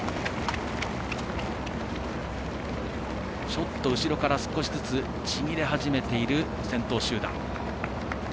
ちょっと後ろから少しずつちぎれ始めている先頭集団。